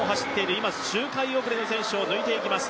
今、周回遅れの選手を抜いていきます。